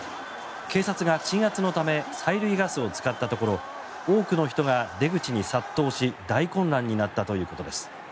警察が、鎮圧のため催涙ガスを使ったところ多くの人が出口に殺到し大混乱になったということです。